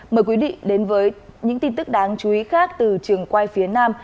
mời quý vị đến với những tin tức đáng chú ý khác từ trường quay phía nam